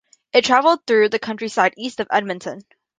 It travelled through countryside east of Edmonton.